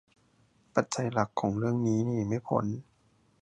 ปัจจัยหลักของเรื่องนี้หนีไม่พ้น